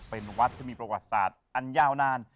เป็นวัดที่มีประวัติศาสตร์อันยาวนาน